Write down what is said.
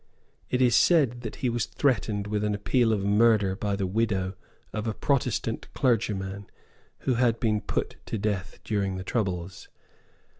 It is said that he was threatened with an appeal of murder by the widow of a Protestant clergyman who had been put to death during the troubles.